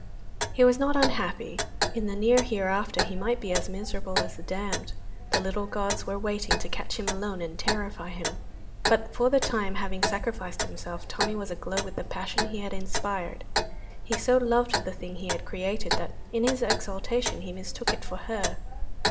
He was not unhappy; in the near hereafter he might be as miserable as the damned the little gods were waiting to catch him alone and terrify him; but for the time, having sacrificed himself, Tommy was aglow with the passion he had inspired. He so loved the thing he had created that in his exultation he mistook it for her.